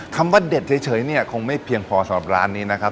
ว่าเด็ดเฉยเนี่ยคงไม่เพียงพอสำหรับร้านนี้นะครับ